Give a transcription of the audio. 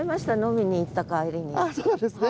あっそうですね。